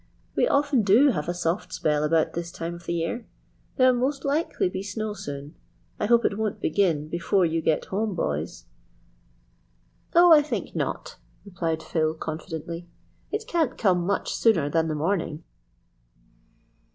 "We often do have a soft spell about this time of the year. There'll most likely be snow soon. I hope it won't begin before you get home, boys." "Oh, I think not," replied Phil confidently. "It can't come much sooner than the morning."